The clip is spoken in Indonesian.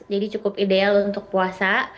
jadi cukup ideal untuk puasa